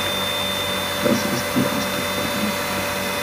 Das ist die erste Frage.